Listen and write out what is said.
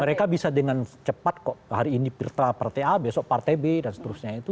mereka bisa dengan cepat kok hari ini pirta partai a besok partai b dan seterusnya itu